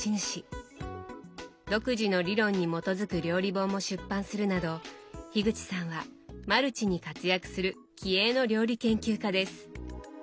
独自の理論に基づく料理本も出版するなど口さんはマルチに活躍する気鋭の料理研究家です。